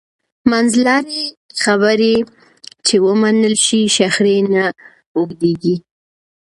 منځلارې خبرې چې ومنل شي، شخړې نه اوږدېږي.